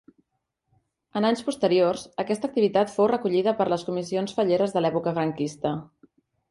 En anys posteriors, aquesta activitat fou recollida per les comissions falleres de l'època franquista.